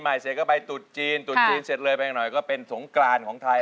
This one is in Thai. ไม่ก็เอาเป็นสงคราวของไทย